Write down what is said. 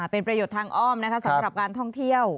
เป็นประโยชน์ทางอ้อมนะคะสำหรับการท่องเที่ยว